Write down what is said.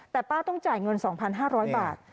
แต่ป้าต้องจ่ายเงินสองพันห้าร้อยบาท